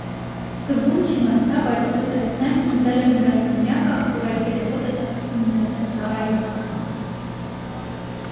Սկզբում չիմացա, բայց հետո տեսնեմ՝ մտել եմ հյուրասենյակը, ուր այդ երեկո տեսակցություն ունեցա Սառայի հետ: